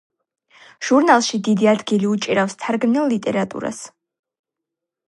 ჟურნალში დიდი ადგილი უჭირავს თარგმნილ ლიტერატურას.